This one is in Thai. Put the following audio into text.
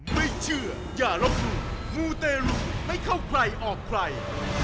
ไม่เชื่ออย่าลบหลู่มูเตรุไม่เข้าใครออกใคร